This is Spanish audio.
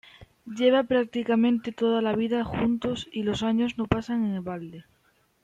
Llevan prácticamente toda la vida juntos y los años no pasan en balde.